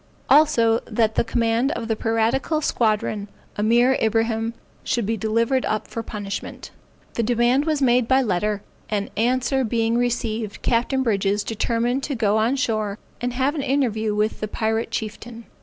Also that the commander of the piratical squadron, Ameer Ibrahim, should be delivered up for punishment. The demand was made by letter, and answer being received, Captain Brydges determined to go on shore and have an interview with the Pirate Chieftain.